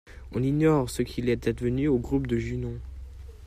On ignore ce qu'il est advenu du groupe de Junon.